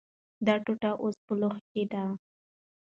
دا ټوټه اوس په لوښي کې ده.